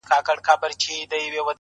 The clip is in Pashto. سدۍ سوې چي تربور یې په دښمن دی غلط کړی -